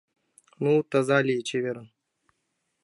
Ну, таза лий, чеверын.